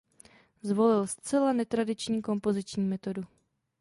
Zvolil zcela netradiční kompoziční metodu.